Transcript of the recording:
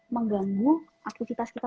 mengganggu aktivitas kita